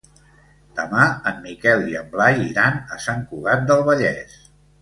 Demà en Miquel i en Blai iran a Sant Cugat del Vallès.